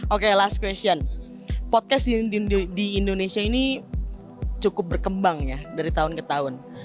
oke last question podcast di indonesia ini cukup berkembang ya dari tahun ke tahun